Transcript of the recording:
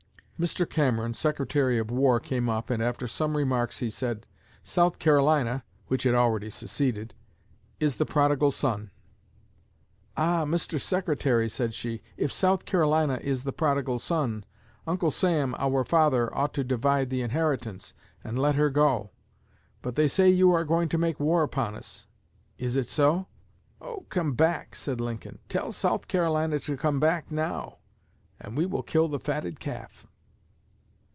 Mr. Cameron, Secretary of War, came up, and after some remarks he said, 'South Carolina [which had already seceded] is the prodigal son.' 'Ah, Mr. Secretary,' said she, 'if South Carolina is the prodigal son, Uncle Sam, our father, ought to divide the inheritance, and let her go; but they say you are going to make war upon us; is it so?' 'Oh, come back,' said Lincoln, 'tell South Carolina to come back now, and we will kill the fatted calf.'"